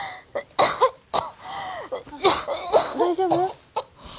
大丈夫？